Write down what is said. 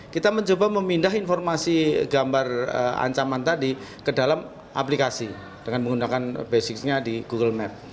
kita mencoba memindah informasi gambar ancaman tadi ke dalam aplikasi dengan menggunakan basic nya di google map